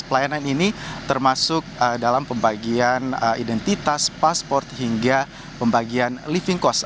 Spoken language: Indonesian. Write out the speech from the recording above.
pelayanan ini termasuk dalam pembagian identitas pasport hingga pembagian living cost